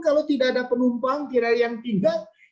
kalau tidak ada penumpang tidak ada yang pindah